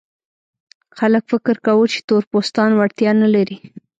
خلک فکر کاوه چې تور پوستان وړتیا نه لري.